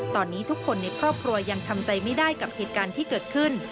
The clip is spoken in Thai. ตอนนี้ทุกคนในครอบครัวยังทำใจไม่ได้กับเหตุการณ์ที่เกิดขึ้น